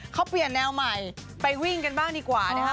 เขาเปลี่ยนแนวใหม่ไปวิ่งกันบ้างดีกว่านะคะ